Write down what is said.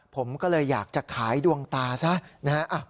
ผมก็เลยอยากจะขายดวงตาซะนะฮะ